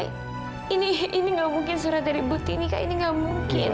ini enggak mungkin surat dari butini kak ini enggak mungkin